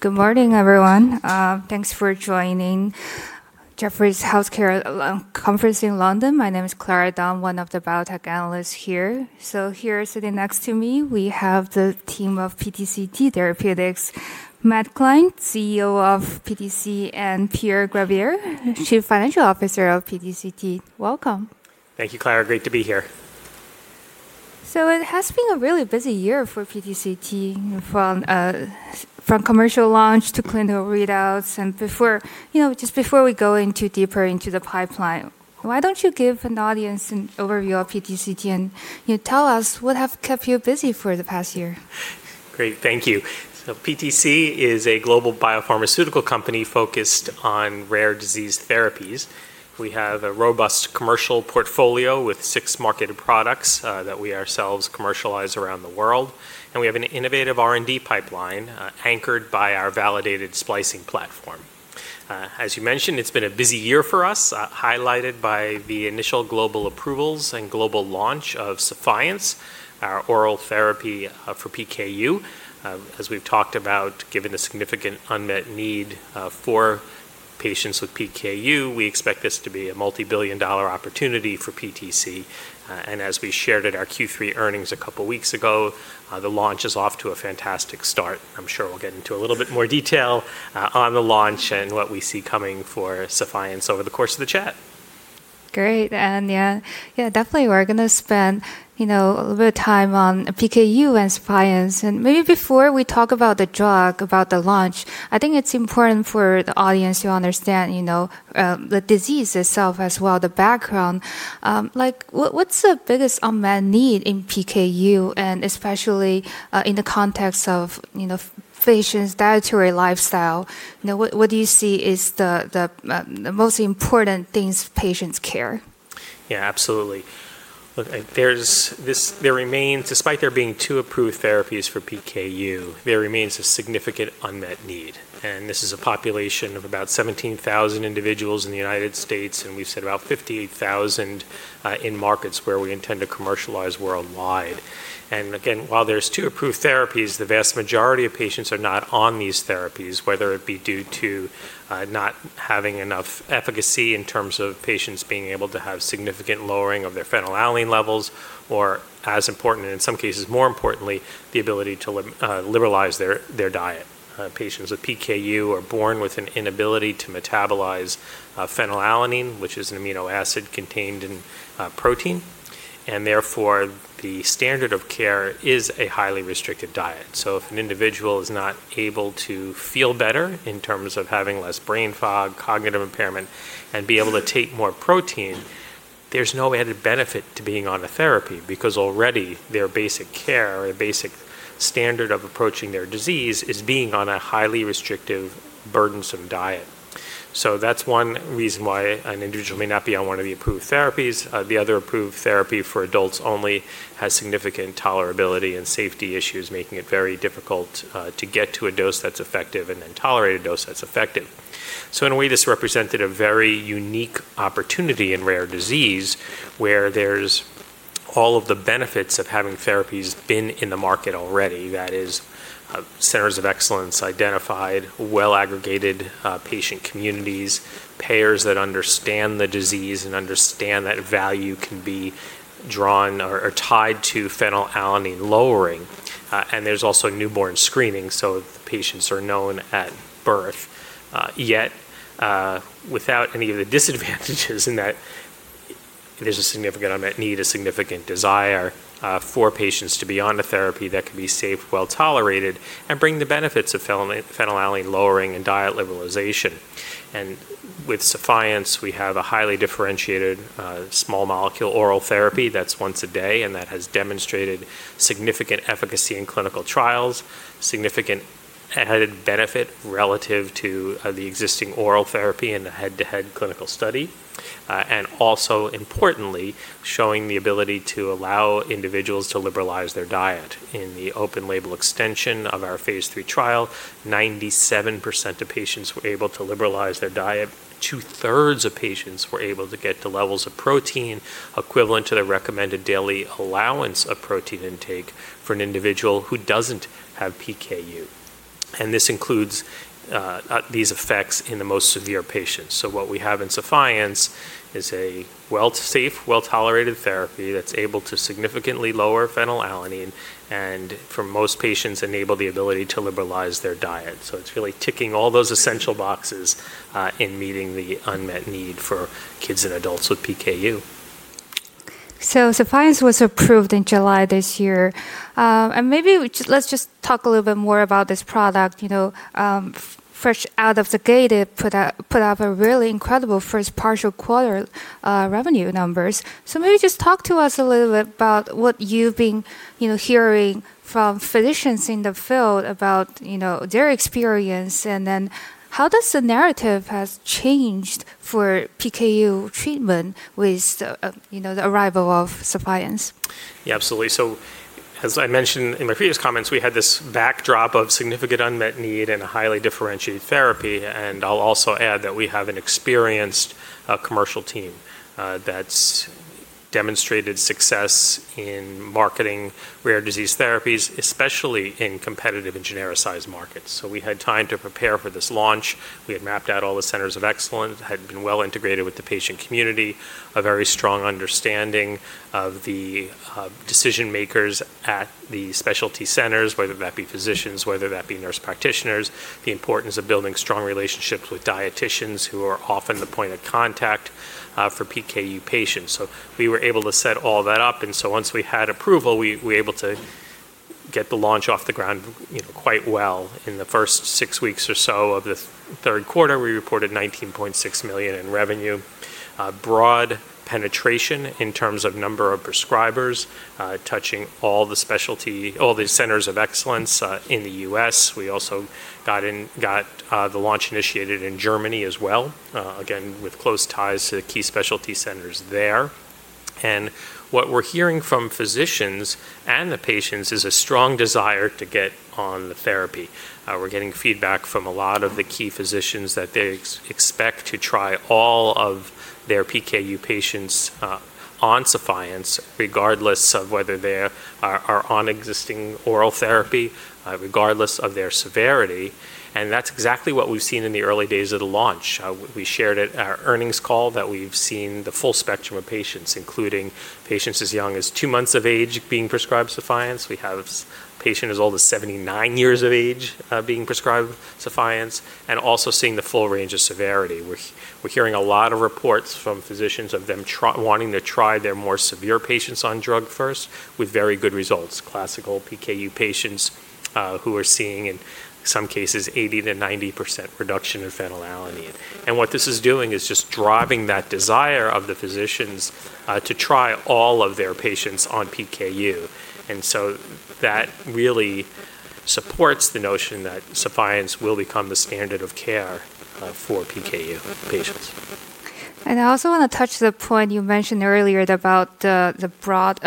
Good morning, everyone. Thanks for joining Jefferies' Healthcare Conference in London. My name is Clara Dahn, one of the biotech analysts here. Here sitting next to me, we have the team of PTC Therapeutics, Matt Klein, CEO of PTC, and Pierre Gravier, Chief Financial Officer of PTC. Welcome. Thank you, Clara. Great to be here. It has been a really busy year for PTC, from commercial launch to clinical readouts. Just before we go deeper into the pipeline, why do you not give the audience an overview of PTC and tell us what has kept you busy for the past year? Great. Thank you. PTC is a global biopharmaceutical company focused on rare disease therapies. We have a robust commercial portfolio with six marketed products that we ourselves commercialize around the world. We have an innovative R&D pipeline anchored by our validated splicing platform. As you mentioned, it has been a busy year for us, highlighted by the initial global approvals and global launch of SEPHIENCE, our oral therapy for PKU. As we have talked about, given the significant unmet need for patients with PKU, we expect this to be a multi-billion dollar opportunity for PTC. As we shared at our Q3 earnings a couple of weeks ago, the launch is off to a fantastic start. I am sure we will get into a little bit more detail on the launch and what we see coming for SEPHIENCE over the course of the chat. Great. Yeah, definitely, we're going to spend a little bit of time on PKU and SEPHIENCE. Maybe before we talk about the drug, about the launch, I think it's important for the audience to understand the disease itself as well, the background. What's the biggest unmet need in PKU, and especially in the context of patients' dietary lifestyle? What do you see as the most important things patients care about? Yeah, absolutely. Look, there remains, despite there being two approved therapies for PKU, there remains a significant unmet need. This is a population of about 17,000 individuals in the United States. We've said about 58,000 in markets where we intend to commercialize worldwide. Again, while there are two approved therapies, the vast majority of patients are not on these therapies, whether it be due to not having enough efficacy in terms of patients being able to have significant lowering of their phenylalanine levels, or, as important, and in some cases more importantly, the ability to liberalize their diet. Patients with PKU are born with an inability to metabolize phenylalanine, which is an amino acid contained in protein. Therefore, the standard of care is a highly restricted diet. If an individual is not able to feel better in terms of having less brain fog, cognitive impairment, and be able to take more protein, there's no added benefit to being on a therapy because already their basic care or the basic standard of approaching their disease is being on a highly restrictive, burdensome diet. That's one reason why an individual may not be on one of the approved therapies. The other approved therapy for adults only has significant tolerability and safety issues, making it very difficult to get to a dose that's effective and then tolerate a dose that's effective. In a way, this represented a very unique opportunity in rare disease where there's all of the benefits of having therapies been in the market already. That is, centers of excellence identified, well-aggregated patient communities, payers that understand the disease and understand that value can be drawn or tied to phenylalanine lowering. There is also newborn screening, so patients are known at birth. Yet, without any of the disadvantages in that there is a significant unmet need, a significant desire for patients to be on a therapy that can be safe, well-tolerated, and bring the benefits of phenylalanine lowering and diet liberalization. With SEPHIENCE, we have a highly differentiated small molecule oral therapy that is once a day and that has demonstrated significant efficacy in clinical trials, significant added benefit relative to the existing oral therapy and the head-to-head clinical study. Also, importantly, showing the ability to allow individuals to liberalize their diet. In the open label extension of our phase three trial, 97% of patients were able to liberalize their diet. Two-thirds of patients were able to get to levels of protein equivalent to the recommended daily allowance of protein intake for an individual who does not have PKU. This includes these effects in the most severe patients. What we have in SEPHIENCE is a safe, well-tolerated therapy that is able to significantly lower phenylalanine and, for most patients, enable the ability to liberalize their diet. It is really ticking all those essential boxes in meeting the unmet need for kids and adults with PKU. SEPHIENCE was approved in July this year. Maybe let's just talk a little bit more about this product. Fresh out of the gate, it put out a really incredible first partial quarter revenue numbers. Maybe just talk to us a little bit about what you've been hearing from physicians in the field about their experience. How does the narrative have changed for PKU treatment with the arrival of SEPHIENCE? Yeah, absolutely. As I mentioned in my previous comments, we had this backdrop of significant unmet need and a highly differentiated therapy. I'll also add that we have an experienced commercial team that's demonstrated success in marketing rare disease therapies, especially in competitive and generous sized markets. We had time to prepare for this launch. We had mapped out all the Centers of Excellence, had been well integrated with the patient community, a very strong understanding of the decision makers at the specialty centers, whether that be physicians, whether that be nurse practitioners, the importance of building strong relationships with dieticians who are often the point of contact for PKU patients. We were able to set all that up. Once we had approval, we were able to get the launch off the ground quite well. In the first six weeks or so of the third quarter, we reported $19.6 million in revenue, broad penetration in terms of number of prescribers, touching all the Centers of Excellence in the U.S. We also got the launch initiated in Germany as well, again, with close ties to key specialty centers there. What we're hearing from physicians and the patients is a strong desire to get on the therapy. We're getting feedback from a lot of the key physicians that they expect to try all of their PKU patients on SEPHIENCE, regardless of whether they are on existing oral therapy, regardless of their severity. That's exactly what we've seen in the early days of the launch. We shared at our earnings call that we've seen the full spectrum of patients, including patients as young as two months of age being prescribed SEPHIENCE. We have a patient as old as 79 years of age being prescribed SEPHIENCE and also seeing the full range of severity. We're hearing a lot of reports from physicians of them wanting to try their more severe patients on drug first with very good results, classical PKU patients who are seeing, in some cases, 80%-90% reduction in phenylalanine. What this is doing is just driving that desire of the physicians to try all of their patients on PKU. That really supports the notion that SEPHIENCE will become the standard of care for PKU patients. I also want to touch the point you mentioned earlier about the broad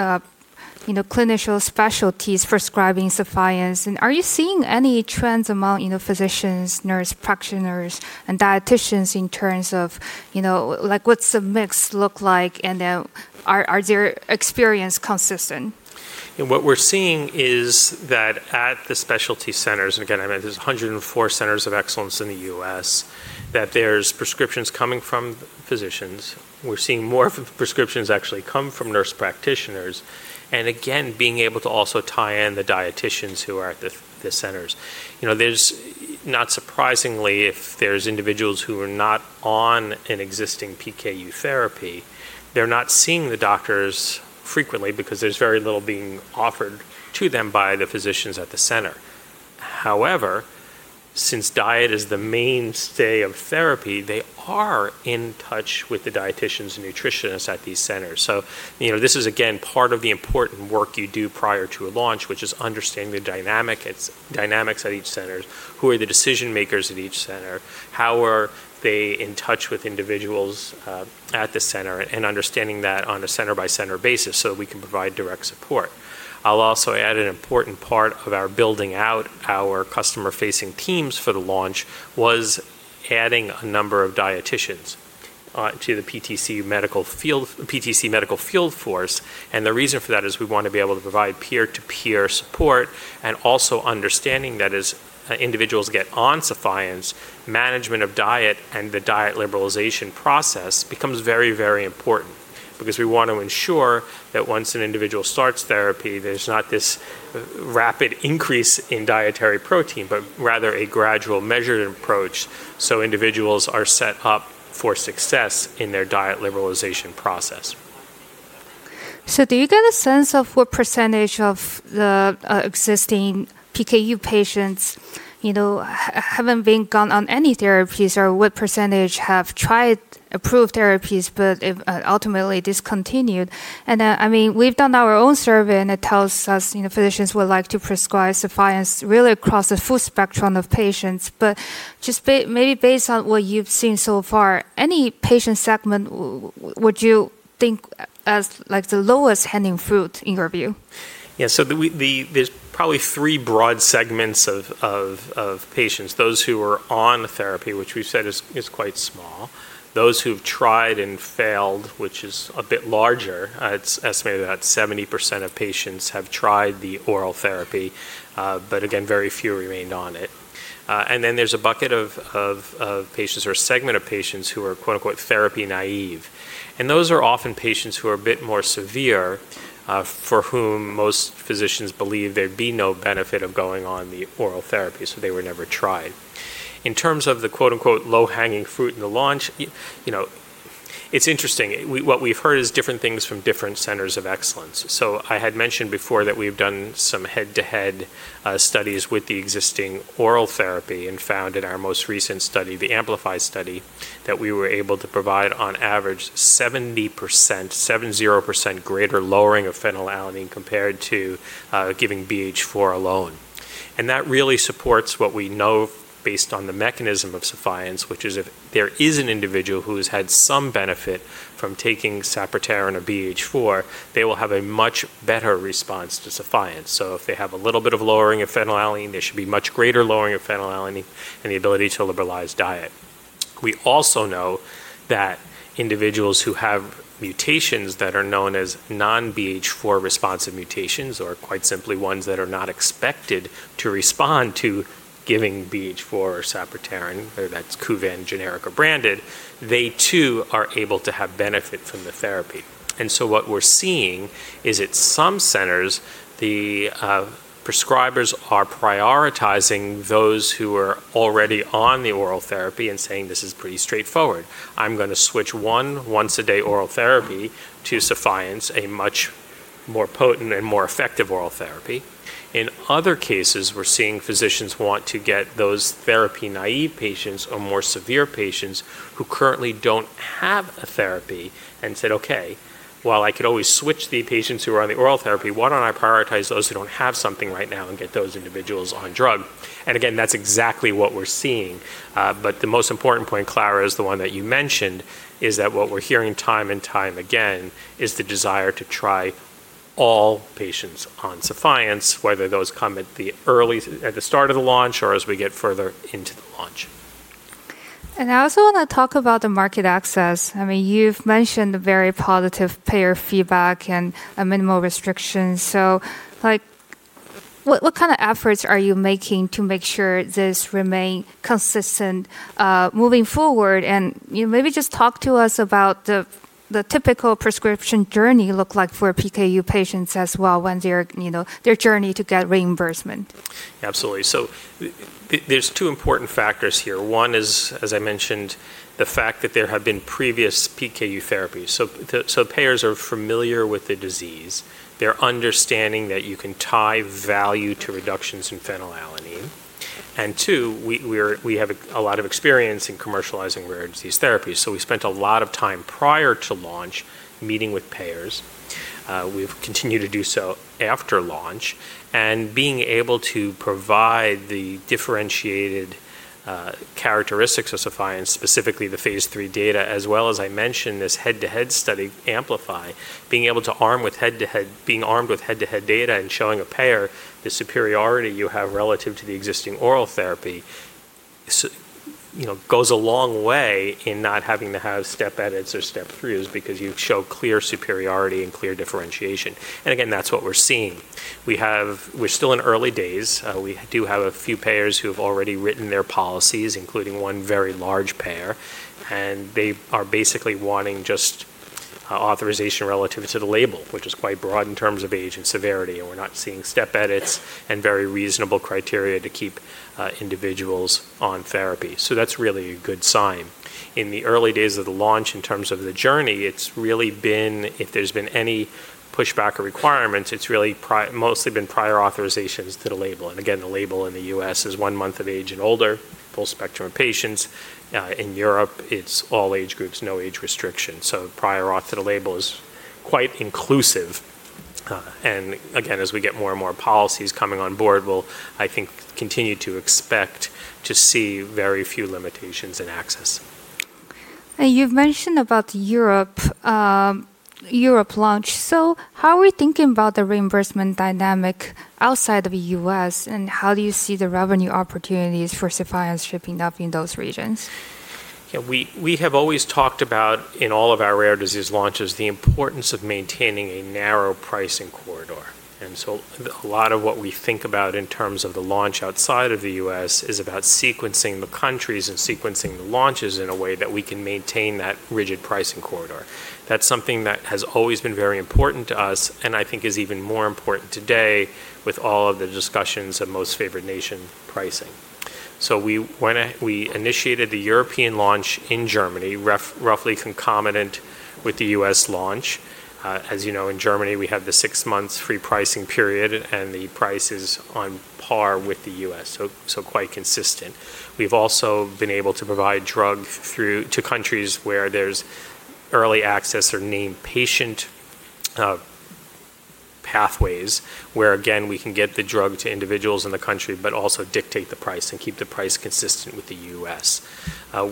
clinical specialties prescribing SEPHIENCE. Are you seeing any trends among physicians, nurse practitioners, and dieticians in terms of what the mix looks like? Are their experiences consistent? What we're seeing is that at the specialty centers, and again, I meant there's 104 Centers of Excellence in the U.S., that there's prescriptions coming from physicians. We're seeing more prescriptions actually come from nurse practitioners. Again, being able to also tie in the dieticians who are at the centers. Not surprisingly, if there's individuals who are not on an existing PKU therapy, they're not seeing the doctors frequently because there's very little being offered to them by the physicians at the center. However, since diet is the mainstay of therapy, they are in touch with the dieticians and nutritionists at these centers. This is, again, part of the important work you do prior to a launch, which is understanding the dynamics at each center, who are the decision makers at each center, how are they in touch with individuals at the center, and understanding that on a center-by-center basis so that we can provide direct support. I'll also add an important part of our building out our customer-facing teams for the launch was adding a number of dieticians to the PTC medical field force. The reason for that is we want to be able to provide peer-to-peer support and also understanding that as individuals get on SEPHIENCE, management of diet and the diet liberalization process becomes very, very important because we want to ensure that once an individual starts therapy, there's not this rapid increase in dietary protein, but rather a gradual, measured approach so individuals are set up for success in their diet liberalization process. Do you get a sense of what percentage of the existing PKU patients haven't gone on any therapies or what percentage have tried approved therapies, but ultimately discontinued? I mean, we've done our own survey, and it tells us physicians would like to prescribe SEPHIENCE really across a full spectrum of patients. Just maybe based on what you've seen so far, any patient segment you would think is the lowest hanging fruit in your view? Yeah. There are probably three broad segments of patients: those who are on therapy, which we've said is quite small; those who have tried and failed, which is a bit larger. It is estimated that 70% of patients have tried the oral therapy, but again, very few remained on it. Then there is a bucket of patients or a segment of patients who are "therapy naive." Those are often patients who are a bit more severe, for whom most physicians believe there would be no benefit of going on the oral therapy, so they were never tried. In terms of the "low hanging fruit" in the launch, it is interesting. What we've heard is different things from different Centers of Excellence. I had mentioned before that we've done some head-to-head studies with the existing oral therapy and found in our most recent study, the Amplify study, that we were able to provide on average 70% greater lowering of phenylalanine compared to giving BH4 alone. That really supports what we know based on the mechanism of SEPHIENCE, which is if there is an individual who has had some benefit from taking sepiapterin and a BH4, they will have a much better response to SEPHIENCE. If they have a little bit of lowering of phenylalanine, there should be much greater lowering of phenylalanine and the ability to liberalize diet. We also know that individuals who have mutations that are known as non-BH4 responsive mutations or quite simply ones that are not expected to respond to giving BH4 or sepiapterin, whether that's Kuvan, generic, or branded, they too are able to have benefit from the therapy. What we're seeing is at some centers, the prescribers are prioritizing those who are already on the oral therapy and saying, "This is pretty straightforward. I'm going to switch one once-a-day oral therapy to SEPHIENCE, a much more potent and more effective oral therapy. In other cases, we're seeing physicians want to get those therapy naive patients or more severe patients who currently don't have a therapy and said, "Okay, while I could always switch the patients who are on the oral therapy, why don't I prioritize those who don't have something right now and get those individuals on drug?" Again, that's exactly what we're seeing. The most important point, Clara, is the one that you mentioned, is that what we're hearing time and time again is the desire to try all patients on SEPHIENCE, whether those come at the start of the launch or as we get further into the launch. I also want to talk about the market access. I mean, you've mentioned very positive payer feedback and minimal restrictions. What kind of efforts are you making to make sure this remains consistent moving forward? Maybe just talk to us about what the typical prescription journey looks like for PKU patients as well when their journey to get reimbursement. Absolutely. There are two important factors here. One is, as I mentioned, the fact that there have been previous PKU therapies. Payers are familiar with the disease. They understand that you can tie value to reductions in phenylalanine. Two, we have a lot of experience in commercializing rare disease therapies. We spent a lot of time prior to launch meeting with payers. We have continued to do so after launch. Being able to provide the differentiated characteristics of SEPHIENCE, specifically the phase three data, as well as, as I mentioned, this head-to-head study Amplify, being able to arm with head-to-head data and showing a payer the superiority you have relative to the existing oral therapy goes a long way in not having to have step edits or step threes because you show clear superiority and clear differentiation. Again, that is what we are seeing. We are still in early days. We do have a few payers who have already written their policies, including one very large payer. They are basically wanting just authorization relative to the label, which is quite broad in terms of age and severity. We are not seeing step edits and very reasonable criteria to keep individuals on therapy. That is really a good sign. In the early days of the launch, in terms of the journey, it has really been, if there has been any pushback or requirements, it has really mostly been prior authorizations to the label. Again, the label in the U.S. is one month of age and older, full spectrum of patients. In Europe, it is all age groups, no age restriction. Prior auth to the label is quite inclusive. As we get more and more policies coming on board, we'll, I think, continue to expect to see very few limitations in access. You mentioned about the Europe launch. How are we thinking about the reimbursement dynamic outside of the U.S.? How do you see the revenue opportunities for SEPHIENCE shaping up in those regions? Yeah. We have always talked about, in all of our rare disease launches, the importance of maintaining a narrow pricing corridor. A lot of what we think about in terms of the launch outside of the U.S. is about sequencing the countries and sequencing the launches in a way that we can maintain that rigid pricing corridor. That is something that has always been very important to us and I think is even more important today with all of the discussions of most favored nation pricing. We initiated the European launch in Germany, roughly concomitant with the U.S. launch. As you know, in Germany, we have the six-month free pricing period, and the price is on par with the U.S., so quite consistent. We've also been able to provide drug to countries where there's early access or named patient pathways where, again, we can get the drug to individuals in the country, but also dictate the price and keep the price consistent with the U.S.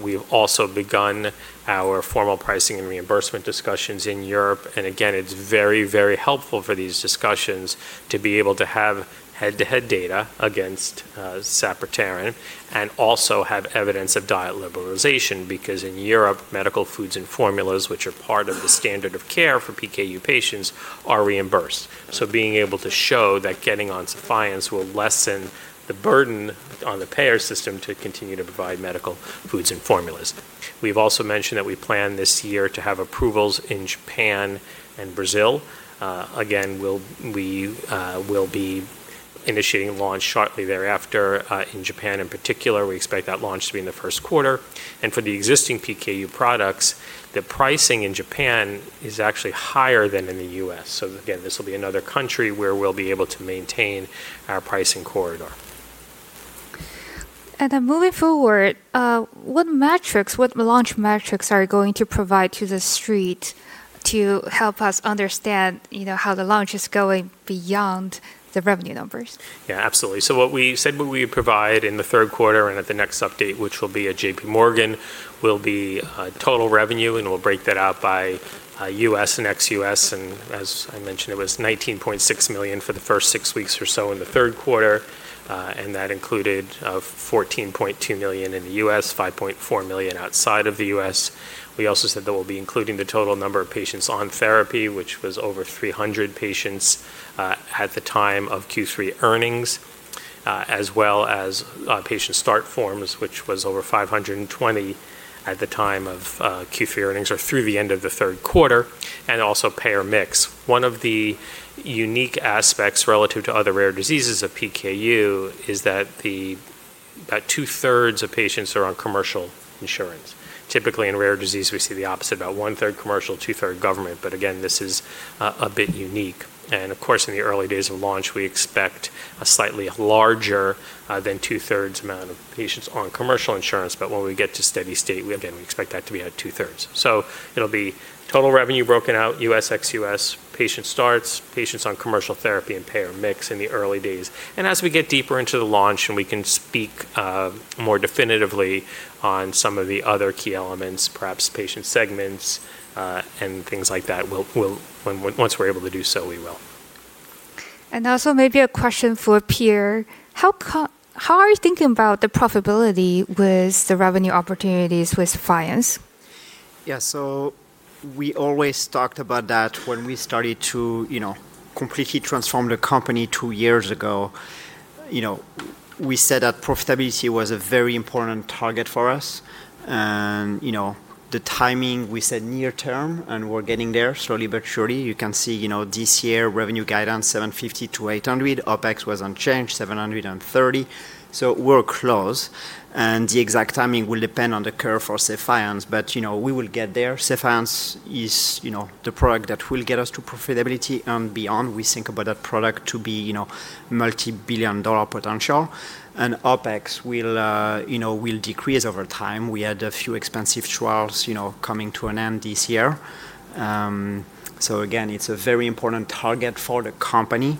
We've also begun our formal pricing and reimbursement discussions in Europe. It is very, very helpful for these discussions to be able to have head-to-head data against sepiapterin and also have evidence of diet liberalization because in Europe, medical foods and formulas, which are part of the standard of care for PKU patients, are reimbursed. Being able to show that getting on SEPHIENCE will lessen the burden on the payer system to continue to provide medical foods and formulas is important. We've also mentioned that we plan this year to have approvals in Japan and Brazil. We will be initiating launch shortly thereafter in Japan in particular. We expect that launch to be in the first quarter. For the existing PKU products, the pricing in Japan is actually higher than in the U.S. This will be another country where we'll be able to maintain our pricing corridor. Moving forward, what metrics, what launch metrics are you going to provide to the street to help us understand how the launch is going beyond the revenue numbers? Yeah, absolutely. What we said we would provide in the third quarter and at the next update, which will be at JPMorgan, will be total revenue. We'll break that out by U.S. and ex-U.S. As I mentioned, it was $19.6 million for the first six weeks or so in the third quarter. That included $14.2 million in the U.S., $5.4 million outside of the U.S. We also said that we'll be including the total number of patients on therapy, which was over 300 patients at the time of Q3 earnings, as well as patient start forms, which was over 520 at the time of Q3 earnings or through the end of the third quarter, and also payer mix. One of the unique aspects relative to other rare diseases of PKU is that about two-thirds of patients are on commercial insurance. Typically, in rare disease, we see the opposite: about one-third commercial, two-thirds government. This is a bit unique. Of course, in the early days of launch, we expect a slightly larger than two-thirds amount of patients on commercial insurance. When we get to steady state, we expect that to be at two-thirds. It will be total revenue broken out, U.S., ex-U.S., patient starts, patients on commercial therapy, and payer mix in the early days. As we get deeper into the launch and we can speak more definitively on some of the other key elements, perhaps patient segments and things like that, once we're able to do so, we will. Also maybe a question for Pierre. How are you thinking about the profitability with the revenue opportunities with SEPHIENCE? Yeah. We always talked about that when we started to completely transform the company two years ago. We said that profitability was a very important target for us. The timing, we said near term, and we're getting there slowly but surely. You can see this year revenue guidance $750 million-$800 million. OpEx was unchanged, $730 million. We're close. The exact timing will depend on the curve for SEPHIENCE, but we will get there. SEPHIENCE is the product that will get us to profitability and beyond. We think about that product to be multi-billion dollar potential. OpEx will decrease over time. We had a few expensive trials coming to an end this year. It is a very important target for the company,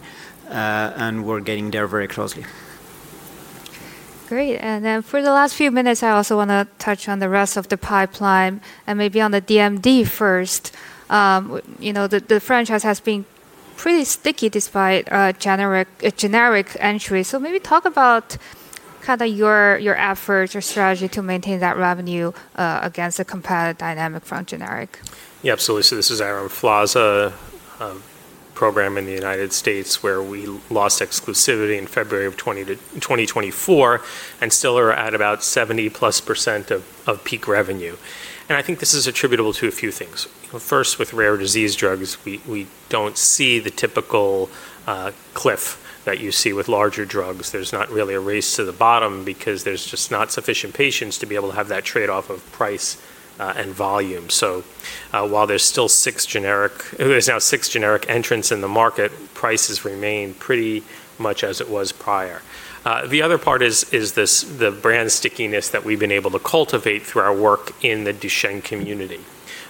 and we're getting there very closely. Great. For the last few minutes, I also want to touch on the rest of the pipeline and maybe on the DMD first. The franchise has been pretty sticky despite generic entry. Maybe talk about kind of your efforts or strategy to maintain that revenue against the competitive dynamic from generic. Yeah, absolutely. This is our Amplify program in the United States where we lost exclusivity in February of 2024 and still are at about 70%+ of peak revenue. I think this is attributable to a few things. First, with rare disease drugs, we do not see the typical cliff that you see with larger drugs. There is not really a race to the bottom because there are just not sufficient patients to be able to have that trade-off of price and volume. While there are still six generic entrants in the market, prices remain pretty much as it was prior. The other part is the brand stickiness that we have been able to cultivate through our work in the Duchenne community.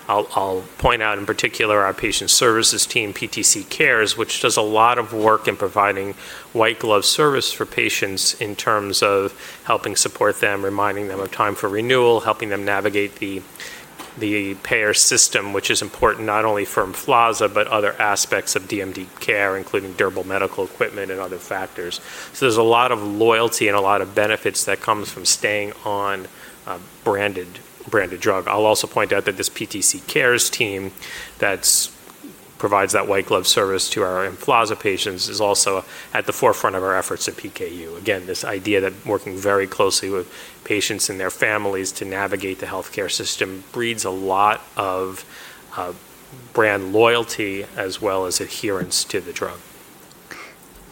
I'll point out in particular our patient services team, PTC Cares, which does a lot of work in providing white-glove service for patients in terms of helping support them, reminding them of time for renewal, helping them navigate the payer system, which is important not only for Amplify but other aspects of DMD care, including durable medical equipment and other factors. There is a lot of loyalty and a lot of benefits that come from staying on branded drug. I'll also point out that this PTC Cares team that provides that white-glove service to our Amplify patients is also at the forefront of our efforts at PKU. Again, this idea that working very closely with patients and their families to navigate the healthcare system breeds a lot of brand loyalty as well as adherence to the drug.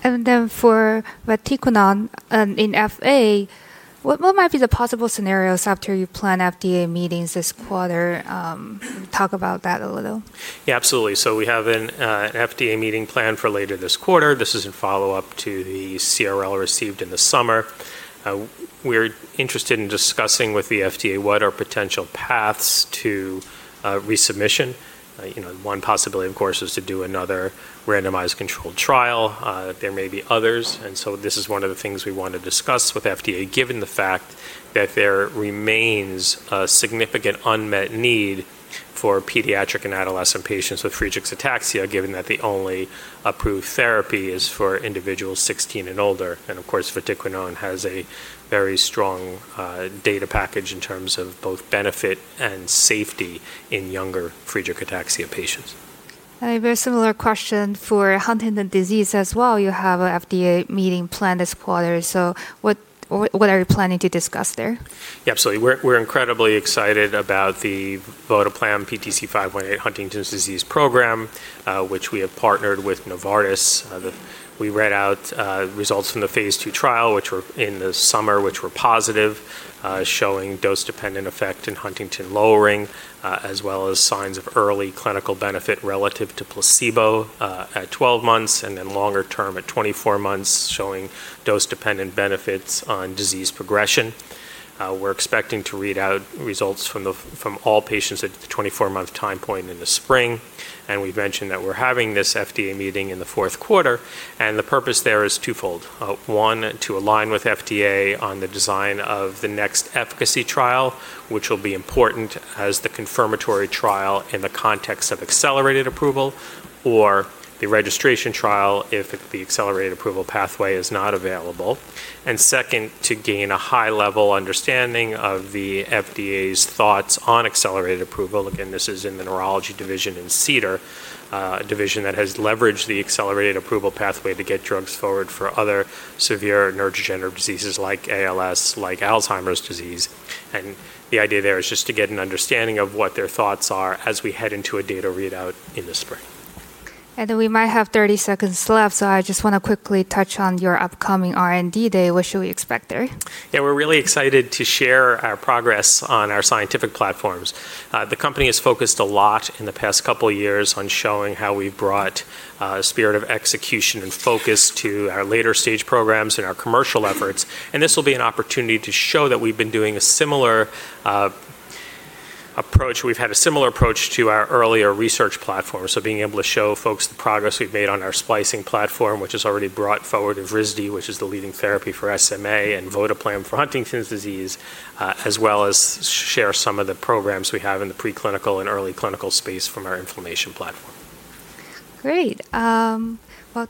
For vatiquinone in FA, what might be the possible scenarios after you plan FDA meetings this quarter? Talk about that a little. Yeah, absolutely. We have an FDA meeting planned for later this quarter. This is in follow-up to the CRL received in the summer. We're interested in discussing with the FDA what are potential paths to resubmission. One possibility, of course, is to do another randomized controlled trial. There may be others. This is one of the things we want to discuss with FDA, given the fact that there remains a significant unmet need for pediatric and adolescent patients with Friedreich's ataxia, given that the only approved therapy is for individuals 16 and older. Of course, Vatiquinone has a very strong data package in terms of both benefit and safety in younger Friedreich's ataxia patients. A very similar question for Huntington's disease as well. You have an FDA meeting planned this quarter. What are you planning to discuss there? Yeah, absolutely. We're incredibly excited about the PIVOT plan, PTC518 Huntington's disease program, which we have partnered with Novartis. We read out results from the phase two trial, which were in the summer, which were positive, showing dose-dependent effect in Huntington lowering, as well as signs of early clinical benefit relative to placebo at 12 months and then longer term at 24 months, showing dose-dependent benefits on disease progression. We're expecting to read out results from all patients at the 24-month time point in the spring. We've mentioned that we're having this FDA meeting in the fourth quarter. The purpose there is twofold. One, to align with FDA on the design of the next efficacy trial, which will be important as the confirmatory trial in the context of accelerated approval or the registration trial if the accelerated approval pathway is not available. Second, to gain a high-level understanding of the FDA's thoughts on accelerated approval. Again, this is in the neurology division in Cedar, a division that has leveraged the accelerated approval pathway to get drugs forward for other severe neurodegenerative diseases like ALS, like Alzheimer's disease. The idea there is just to get an understanding of what their thoughts are as we head into a data readout in the spring. We might have 30 seconds left. I just want to quickly touch on your upcoming R&D day. What should we expect there? Yeah, we're really excited to share our progress on our scientific platforms. The company has focused a lot in the past couple of years on showing how we've brought spirit of execution and focus to our later stage programs and our commercial efforts. This will be an opportunity to show that we've been doing a similar approach. We've had a similar approach to our earlier research platform. Being able to show folks the progress we've made on our splicing platform, which has already brought forward Evrysdi, which is the leading therapy for SMA, and PTC518 for Huntington's disease, as well as share some of the programs we have in the preclinical and early clinical space from our inflammation platform. Great.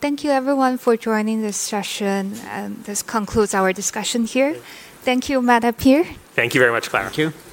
Thank you, everyone, for joining this session. This concludes our discussion here. Thank you, Matt and Pierre. Thank you very much, Clara. Thank you.